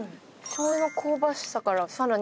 しょうゆの香ばしさからさらに。